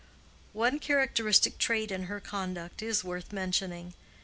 One characteristic trait in her conduct is worth mentioning.